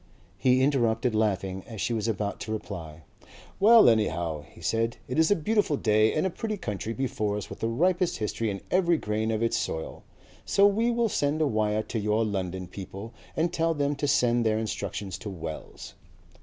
He interrupted laughing as she was about to reply. "Well, anyhow," he said, "it is a beautiful day and a pretty country before us with the ripest history in every grain of its soil. So we'll send a wire to your London people and tell them to send their instructions to Wells."